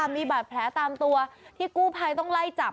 มีบาดแผลตามตัวที่กู้ภัยต้องไล่จับ